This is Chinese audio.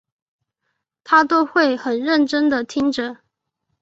她都会很认真地听着